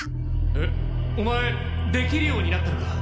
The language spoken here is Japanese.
えっオマエできるようになったのか？